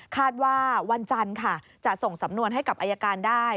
ว่าวันจันทร์ค่ะจะส่งสำนวนให้กับอายการได้